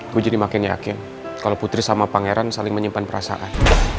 gue jadi makin yakin kalau putri sama pangeran saling menyimpan perasaan